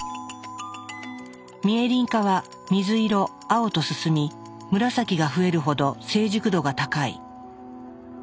ミエリン化は水色青と進み紫が増えるほど成熟度が高い。